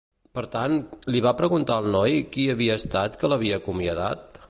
Per tant, li va preguntar al noi qui havia estat que l'havia acomiadat?